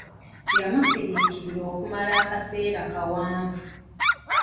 Yamusiriikirira okumala akaseera kawanvu.